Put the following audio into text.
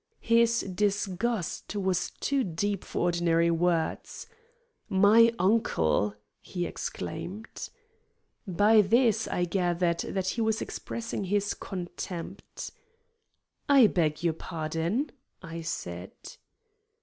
His disgust was too deep for ordinary words. "My uncle!" he exclaimed. By this I gathered that he was expressing his contempt. "I beg your pardon?" I said.